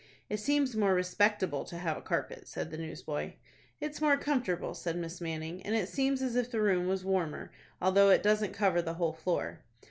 "It seems more respectable to have a carpet," said the newsboy. "It's more comfortable," said Miss Manning, "and it seems as if the room was warmer, although it doesn't cover the whole floor."